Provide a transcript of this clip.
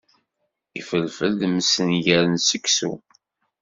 Ifelfel d msenger n seksu.